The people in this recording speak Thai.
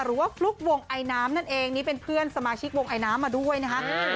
ฟลุ๊กวงไอน้ำนั่นเองนี่เป็นเพื่อนสมาชิกวงไอน้ำมาด้วยนะคะ